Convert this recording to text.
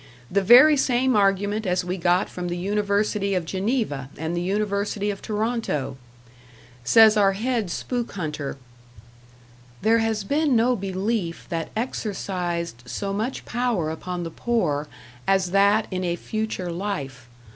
The very same argument as we got from the University of Geneva and the University of Toronto! Says our head spook hunter: There has been no belief that exercised so much power upon the poor as that in a future life.